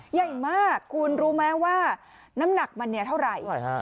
ใหญ่มากคุณรู้ไหมว่าน้ำหนักมันเนี่ยเท่าไหร่ฮะ